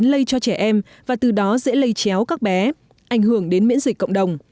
lây chéo các bé ảnh hưởng đến miễn dịch cộng đồng